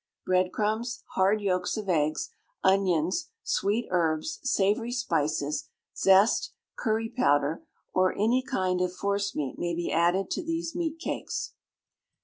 Bread crumbs, hard yolks of eggs, onions, sweet herbs, savoury spices, zest, curry powder, or any kind of forcemeat may be added to these meat cakes.